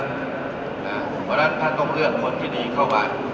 เพราะฉะนั้นท่านต้องเลือกคนที่ดีเข้ามา